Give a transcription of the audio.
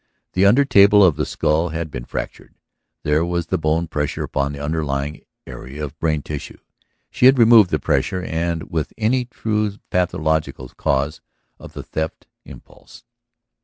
The under table of the skull had been fractured; there was the bone pressure upon the underlying area of brain tissue. She had removed the pressure and with it any true pathological cause of the theft impulse.